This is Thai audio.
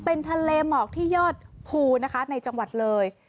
เป็นทะเลหมอกที่ยอดภูนะคะในจังหวัดเลย